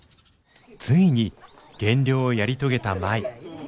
ついに減量をやり遂げた舞。